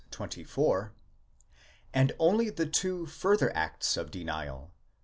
24), and only the two further acts of denial (v.